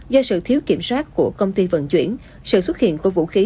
do sự thiếu kiểm soát của công ty vận chuyển sự xuất hiện của vũ khí